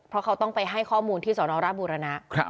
เพราะเขาต้องไปให้ข้อมูลที่สนรบูรณะ